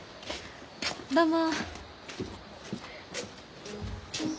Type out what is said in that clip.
どうも。